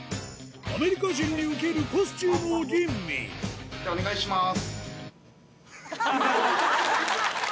アメリカ人に受けるコスチュームを吟味じゃあお願いします。